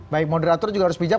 baik moderator juga harus bijak